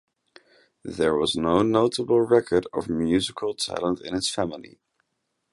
There was no notable record of musical talent in his family.